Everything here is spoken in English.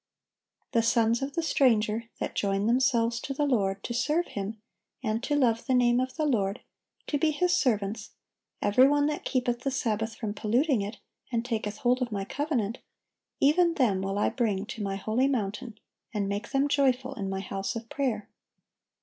"The sons of the stranger, that join themselves to the Lord, to serve Him, and to love the name of the Lord, to be His servants, every one that keepeth the Sabbath from polluting it, and taketh hold of My covenant; even them will I bring to My holy mountain, and make them joyful in My house of prayer."